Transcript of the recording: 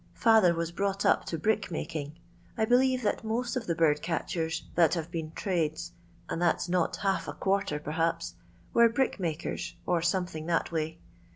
Father was brought up to brick making. I believe that most of the bird catchers that have been trades, and that's not half a quarter perhaps, were brick makers, or something that way.